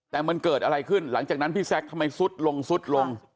แต่มันเกิดอะไรขึ้นหลังจากนั้นพี่แซคทำไมซุดลงซุดลง